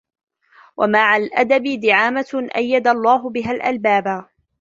وَمَعَ الْأَدَبِ دِعَامَةٌ أَيَّدَ اللَّهُ بِهَا الْأَلْبَابَ